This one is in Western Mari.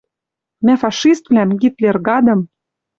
Мӓ фашиствлӓм, Гитлер-гадым